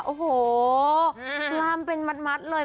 โอ้โหล่ามเป็นมัดเลย